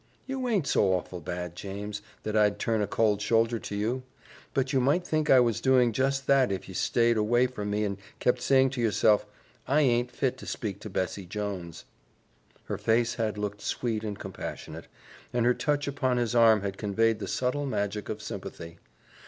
You aint so awful bad, James, that I'd turn a cold shoulder to you; but you might think I was doing just that if ye stayed away from me and kept saying to yourself, 'I aint fit to speak to Bessie Jones.'" Her face had looked sweet and compassionate, and her touch upon his arm had conveyed the subtle magic of sympathy.